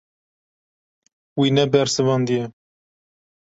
Wî nebersivandiye.